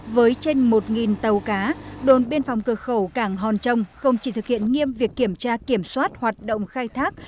với trên một tàu cá đồn biên phòng cửa khẩu cảng hòn trông không chỉ thực hiện nghiêm việc kiểm tra kiểm soát hoạt động khai thác